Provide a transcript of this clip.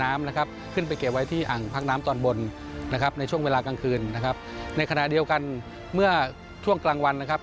เมื่อช่วงกลางวันนะครับ